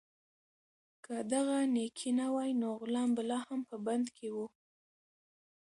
که دغه نېکي نه وای، نو غلام به لا هم په بند کې و.